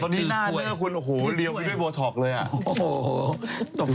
ตอนนี้หน้าเนื้อคุณโอ้โหเรียวไปด้วยโบท็อกเลยอ่ะ